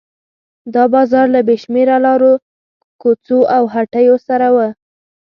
دا بازار له بې شمېره لارو کوڅو او هټیو سره و.